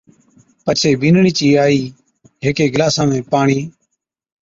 پڇي بِينڏڙِي چِي آئِي ھيڪي گلاسا ۾ پاڻِي